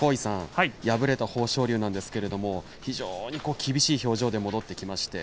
敗れた豊昇龍なんですけれど非常に厳しい表情で戻ってきました。